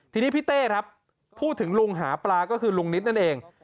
ทีนี้พี่เต้ครับพูดถึงลุงหาปลาก็คือลุงนิดนั่นเอง